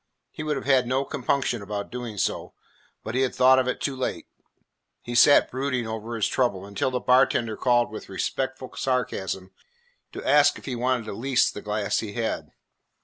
He would have had no compunction about doing so, but he had thought of it too late. He sat brooding over his trouble until the bartender called with respectful sarcasm to ask if he wanted to lease the glass he had.